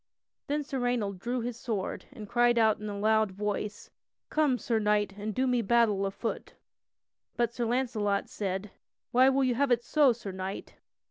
Then Sir Raynold drew his sword and cried out in a loud voice: "Come, Sir Knight, and do me battle afoot!" But Sir Launcelot said: "Why will you have it so, Sir Knight?